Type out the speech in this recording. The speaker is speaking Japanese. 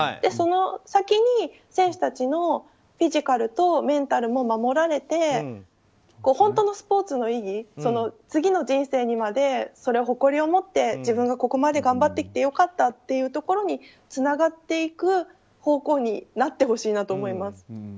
その先に選手たちのフィジカルとメンタルも守られて、本当のスポーツの意義次の人生にまで誇りを持って自分がここまで頑張ってきて良かったというところにつながっていく方向になってほしいと思います。